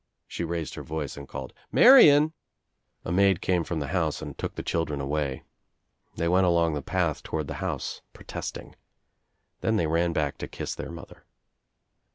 She raised her voice and called, "Marian I" A maid came from the house and took the children away. They went along the path toward the house protesting. Then they ran back to kUs their mother.